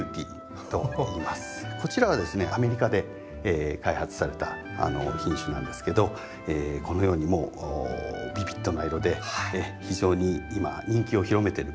こちらはですねアメリカで開発された品種なんですけどこのようにビビッドな色で非常に今人気を広めてる品種です。